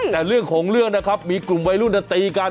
แต่เรื่องของเรื่องนะครับมีกลุ่มวัยรุ่นตีกัน